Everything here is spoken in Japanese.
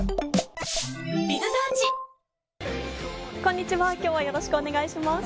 こんにちは今日はよろしくお願いします。